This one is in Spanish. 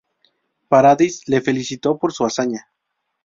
Paradis le felicitó por su hazaña.